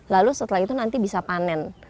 lalu setelah itu nanti bisa panen